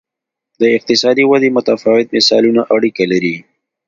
د اقتصادي ودې متفاوت مثالونه اړیکه لري.